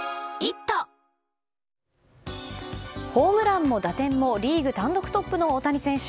ホームランも打点もリーグ単独トップの大谷選手。